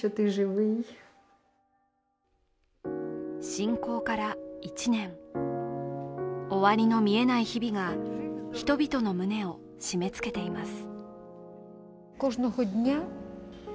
侵攻から１年、終わりの見えない日々が人々の胸を締めつけています。